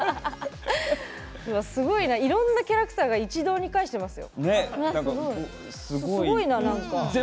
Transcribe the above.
すごいないろんなキャラクターが一堂に会してますよ。